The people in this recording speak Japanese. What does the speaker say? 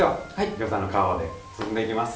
ギョーザの皮で包んでいきます。